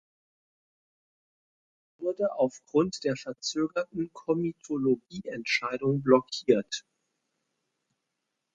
Es wurde aufgrund der verzögerten Komitologie-Entscheidung blockiert.